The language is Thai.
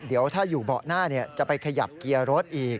เดี๋ยวถ้าอยู่เบาะหน้าจะไปขยับเกียร์รถอีก